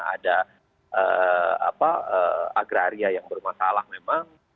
ada agraria yang bermasalah memang